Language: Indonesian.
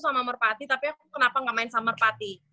pasien sama merpati tapi aku kenapa gak main summer party